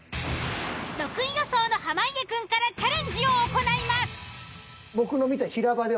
６位予想の濱家くんからチャレンジを行います！